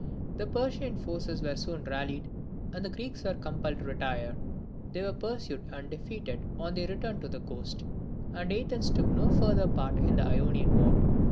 The Persian forces were soon rallied, and the Greeks were compelled to retire. They were pursued, and defeated on their return to the coast, and Athens took no further part in the Ionian war.